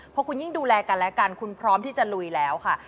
พอคุณยิ่งดูแลกันและกันคุณพร้อมที่จะลุยแล้วค่ะ